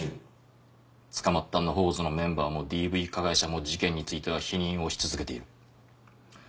捕まった野放図のメンバーもＤＶ加害者も事件については否認をし続けている。